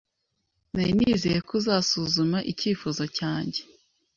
Nari nizeye ko uzasuzuma icyifuzo cyanjye.